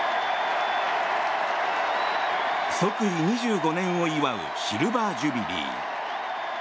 即位２５年を祝うシルバー・ジュビリー。